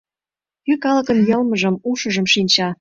Кӧ калыкын йылмыжым, ушыжым шинча.